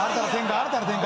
・新たな展開。